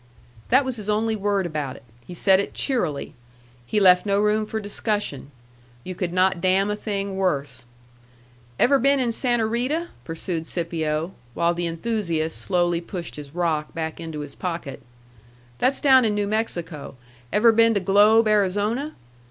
That was his only word about it. He said it cheerily. He left no room for discussion. You could not damn a thing worse. "Ever been in Santa Rita?" pursued Scipio, while the enthusiast slowly pushed his rock back into his pocket. "That's down in New Mexico. Ever been to Globe, Arizona?"